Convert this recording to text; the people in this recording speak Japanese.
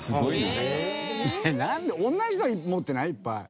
なんで同じの持ってない？いっぱい。